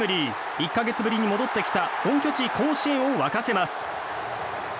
１か月ぶりに戻ってきた本拠地・甲子園を沸かせます。